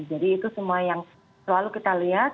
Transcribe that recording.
jadi itu semua yang selalu kita lihat